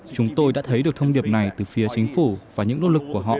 chúng tôi đã thấy được thông điệp này từ phía chính phủ và những nỗ lực của họ